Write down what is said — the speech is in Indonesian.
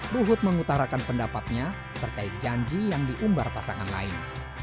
luhut mengutarakan pendapatnya terkait janji yang diumbar pasangan lain